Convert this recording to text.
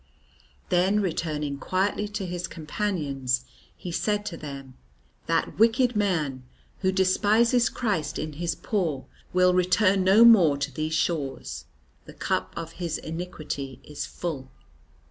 Then returning quietly to his companions he said to them, "That wicked man who despises Christ in His poor will return no more to these shores. The cup of his iniquity is full."